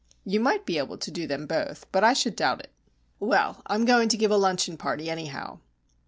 You might be able to do them both, but I should doubt it." "Well, I'm going to give a luncheon party, anyhow."